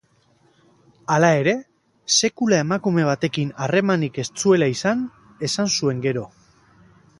Hala ere, sekula emakume batekin harremanik ez zuela izan esan zuen gero.